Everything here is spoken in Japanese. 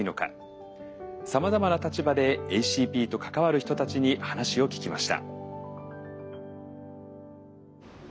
さまざまな立場でＡＣＰと関わる人たちに話を聞きました。